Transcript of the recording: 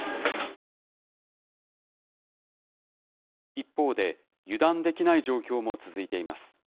一方で、油断できない状況も続いています。